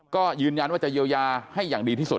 ก็ยืนยันว่าจะเยียวยาให้อย่างดีที่สุด